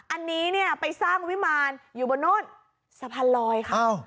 อันนี้เนี่ยไปสร้างวิมารอยู่บนโน่นสะพานลอยค่ะ